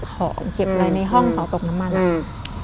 หอมเก็บอะไรในห้องตกน้ำมันอะ